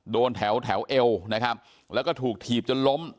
โดนแถวแถวเอวนะครับแล้วก็ถูกถีบจนล้ม